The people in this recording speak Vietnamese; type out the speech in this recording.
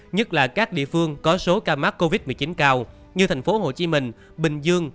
nhất là các địa phương có số ca mắc covid một mươi chín cao như thành phố hồ chí minh bình dương